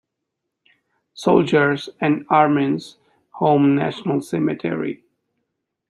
Soldiers' and Airmen's Home National Cemetery.